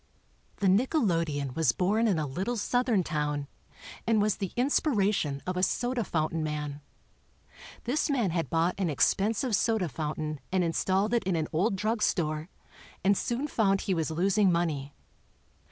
The nickelodeon was born in a little Southern town and was the inspiration of a soda fountain man. This man had bought an expensive soda fountain and installed it in an old drug store, and soon found he was losing money.